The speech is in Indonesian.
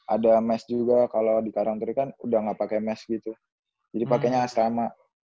ada mes juga kalau di karaktery kan udah nggak pakai mes gitu jadi pakainya asrama